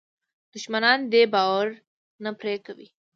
دښمنان دې باور نه پرې کوي.